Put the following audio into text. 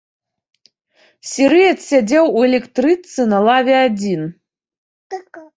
Сірыец сядзеў у электрычцы на лаве адзін.